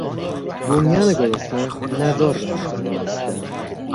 بومیان گرسنه، نزار به نظر میرسیدند.